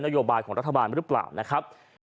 ทีนี้จากรายทื่อของคณะรัฐมนตรี